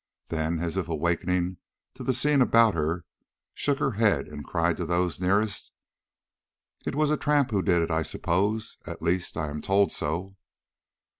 Then, as if awakening to the scene about her, shook her head and cried to those nearest: "It was a tramp who did it, I suppose; at least, I am told so."